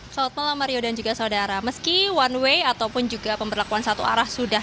selamat malam mario dan juga saudara meski one way ataupun juga pemberlakuan satu arah sudah